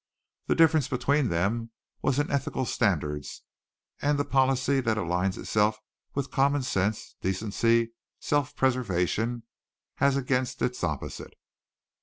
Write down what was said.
The difference between them was in ethical standards and the policy that aligns itself with common sense, decency, self preservation, as against its opposite.